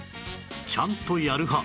ちゃんとやる派？